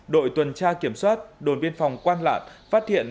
đội tuần tra kiểm soát đồn biên phòng quan lạn phát hiện